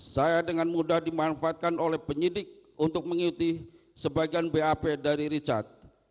saya dengan mudah dimanfaatkan oleh penyidik untuk mengikuti sebagian bap dari richard